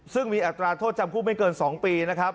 ซึ่งมีอัตราโทษจำคุกไม่เกิน๒ปีนะครับ